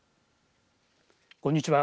こんにちは。